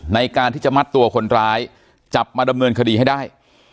ในการที่จะมัดตัวคนร้ายจับมาดำเนินคดีให้ได้